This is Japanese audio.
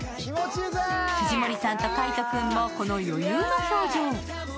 藤森さんと海音君も、この余裕の表情。